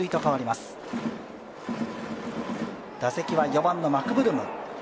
打席は４番のマクブルーム。